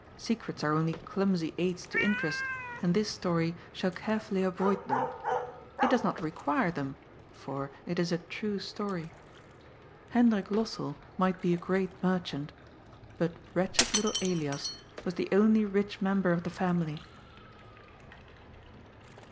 Secrets are only clumsy aids to interest, and this story shall carefully avoid them. It does not require them, for it is a true story. Hendrik Lossell might be a great merchant, but wretched little Elias was the only rich member of the family.